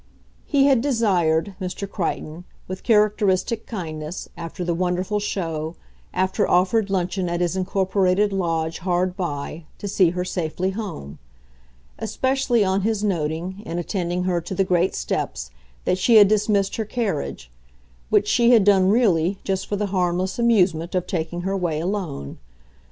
He had desired, Mr. Crichton, with characteristic kindness, after the wonderful show, after offered luncheon at his incorporated lodge hard by, to see her safely home; especially on his noting, in attending her to the great steps, that she had dismissed her carriage; which she had done, really, just for the harmless amusement of taking her way alone.